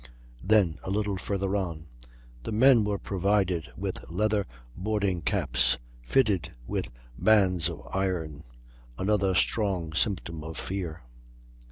Then a little further on: "The men were provided with leather boarding caps, fitted with bands of iron, another strong symptom of fear!"